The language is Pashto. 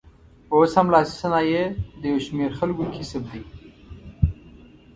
اوس هم لاسي صنایع د یو شمېر خلکو کسب دی.